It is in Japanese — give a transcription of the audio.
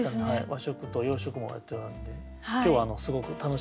和食と洋食もやってたんで今日はすごく楽しみですね。